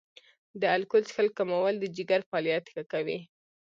د الکول څښل کمول د جګر فعالیت ښه کوي.